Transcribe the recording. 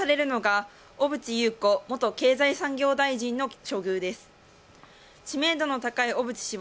これ何かそこで注目されるのが小渕優子元経済産業大臣の処遇です。